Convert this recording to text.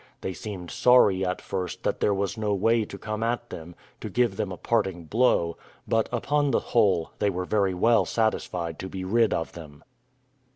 They seemed sorry at first that there was no way to come at them, to give them a parting blow; but, upon the whole, they were very well satisfied to be rid of them.